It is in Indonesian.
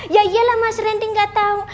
ya iyalah mas ranting nggak tahu